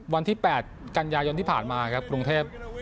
วันที่๘กันยายนที่ผ่านมาครับกรุงเทพ